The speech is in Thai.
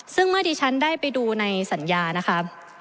ซึ่งเมื่อดิฉันได้ไปดูในสัญญานะคะ